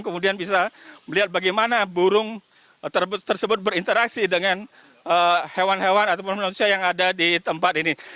kemudian bisa melihat bagaimana burung tersebut berinteraksi dengan hewan hewan ataupun manusia yang ada di tempat ini